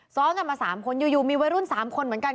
ซ้อนกันมา๓คนอยู่มีวัยรุ่น๓คนเหมือนกัน